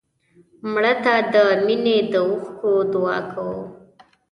مړه ته د مینې د اوښکو دعا کوو